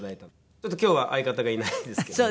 ちょっと今日は相方がいないですけども。